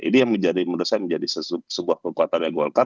ini yang menurut saya menjadi sebuah kekuatan dari golkar